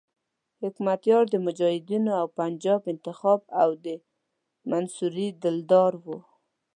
حکمتیار د مجاهدینو او پنجاب انتخاب او د منصوري دلدار وو.